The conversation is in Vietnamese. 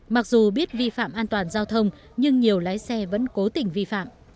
mặc dù biết vi phạm an toàn giao thông nhưng nhiều lái xe vẫn cố tình vi phạm